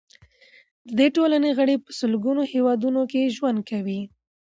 د دې ټولنې غړي په سلګونو هیوادونو کې ژوند کوي.